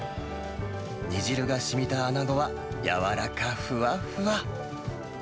煮汁がしみたアナゴは、やわらかふわふわ。